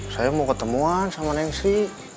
saya mau ketemuan sama neneng sri